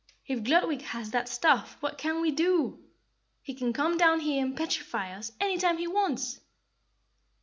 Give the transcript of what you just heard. "If Gludwig has that staff, what can we do? He can come down here and petrify us any time he wants."